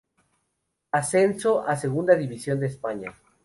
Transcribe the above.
Ascenso a Segunda División de España.